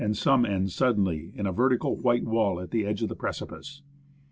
ELIAS end suddenly in a vertical white wall at the edge of the precipice.